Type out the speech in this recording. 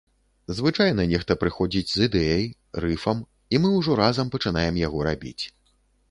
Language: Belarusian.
Звычайна нехта прыходзіць з ідэяй, рыфам, і мы ўжо разам пачынаем яго рабіць.